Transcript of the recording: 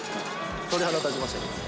鳥肌立ちましたけれどもね。